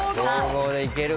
５５でいけるか。